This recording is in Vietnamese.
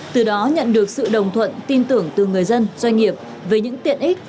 từ đó nhận được sự đồng thuận tin tưởng từ người dân doanh nghiệp về những tiện ích